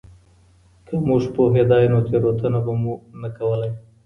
که موږ پوهیدای نو تېروتنه به مو نه کوله.